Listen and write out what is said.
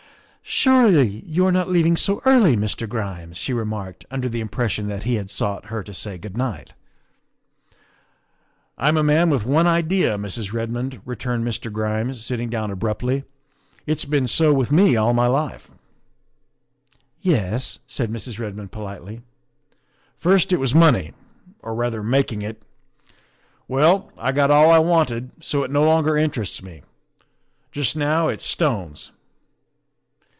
" Surely you are not leaving so early, Mr. Grimes," she remarked, under the impression that he had sought her to say good night. "I'm a man with one idea, Mrs. Redmond," re turned Mr. Grimes, sitting down abruptly, " it's been so with me all my life." " Yes?" said Mrs. Redmond politely. " First it was money, or, rather, making it. Well, I got all I wanted, so it no longer interests me. Just now it's stones."